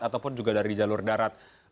ataupun juga dari jalur darat